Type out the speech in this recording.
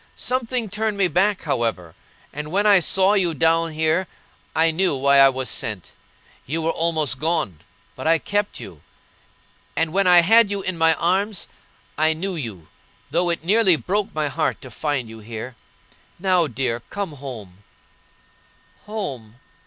Something turned me back, however; and when I saw you down here I knew why I was sent. You were almost gone, but I kept you; and when I had you in my arms I knew you, though it nearly broke my heart to find you here. Now, dear, come home. "Home!